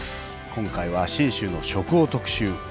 今回は信州の食を特集。